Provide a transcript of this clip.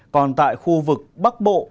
còn tại khu vực bắc bộ